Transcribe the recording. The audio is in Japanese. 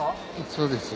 そうです。